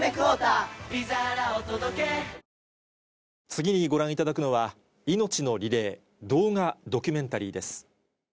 次にご覧いただくのは命のリレー動画ドキュメンタリーです。